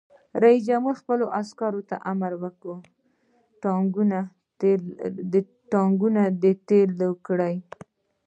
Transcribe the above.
رئیس جمهور خپلو عسکرو ته امر وکړ؛ ټانکونه تېل کړئ!